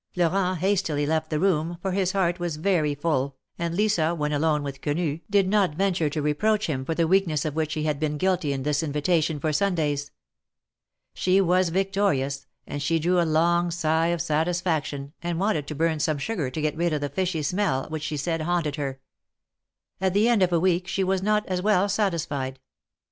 Florent hastily left the room, for his heart was very full, and Lisa, when alone with Quenu, did not venture to reproach him for the weakness of which he had been guilty in this invitation for Sundays. She was victorious, and she drew a long sigh of satisfaction, and wanted to burn some sugar to get rid of the fishy smell, which she said haunted her. At the end of a week she was not as well satisfied.